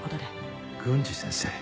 郡司先生。